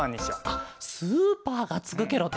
あっスーパーがつくケロね。